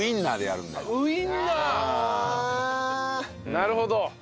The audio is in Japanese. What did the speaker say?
なるほど。